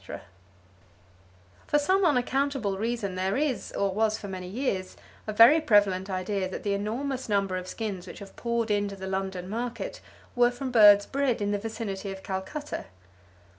Photographed by Mr. Beebe For some unaccountable reason there is, or was for many years, a very prevalent idea that the enormous number of skins which have poured into the London market were from birds bred in the vicinity of Calcutta.